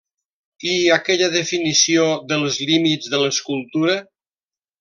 ¿I aquella definició dels límits de l'escultura?